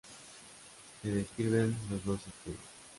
Se describen los dos sistemas.